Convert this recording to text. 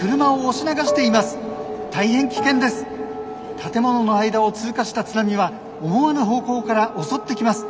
建物の間を通過した津波は思わぬ方向から襲ってきます。